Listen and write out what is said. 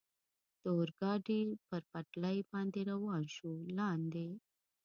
د اورګاډي پر پټلۍ باندې روان شو، لاندې.